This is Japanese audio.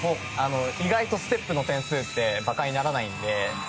意外とステップの点数って馬鹿にならないので。